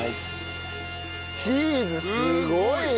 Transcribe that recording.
チーズすごいよ！